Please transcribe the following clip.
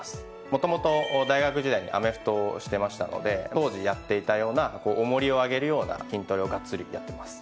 もともと大学時代アメフトをしてましたので当時やっていたような重りを上げるような筋トレをがっつりやってます。